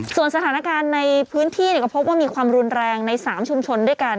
ส่วนสถานการณ์ในพื้นที่ก็พบว่ามีความรุนแรงใน๓ชุมชนด้วยกัน